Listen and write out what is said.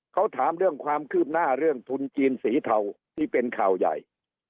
เขาถามเรื่องความคืบหน้าเรื่องทุนจีนสีเทาที่เป็นข่าวใหญ่